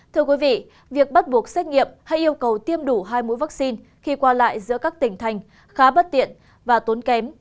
thưa quý vị việc bắt buộc xét nghiệm hay yêu cầu tiêm đủ hai mũi vaccine khi qua lại giữa các tỉnh thành khá bất tiện và tốn kém